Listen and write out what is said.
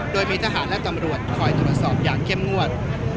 โดยมีทหารและตำรวจคอยตรวจสอบอย่างเข้มงวด